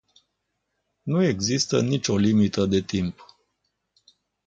Nu există nici o limită de timp.